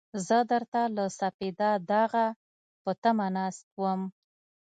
زه درته له سپېده داغه په تمه ناست وم.